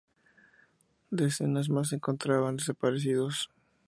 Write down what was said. Decenas más se encontraban desaparecidos.